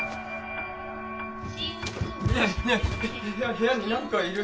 部屋になんかいる！